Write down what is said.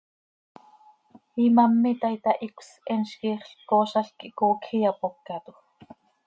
Imám itaai, tahicös, eentz quiixlc coozalc quih coocj iyapócatoj.